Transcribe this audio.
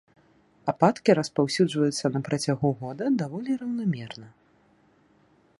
Ападкі распаўсюджваюцца на працягу года даволі раўнамерна.